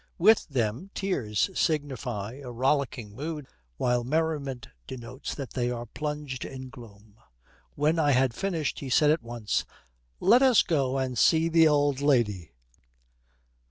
With them tears signify a rollicking mood, while merriment denotes that they are plunged in gloom. When I had finished he said at once, "Let us go and see the old lady."'